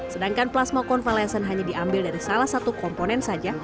sedangkan plasma konvalesen hanya diambil dari salah satu komponen saja